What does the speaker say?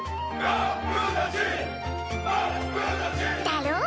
だろ？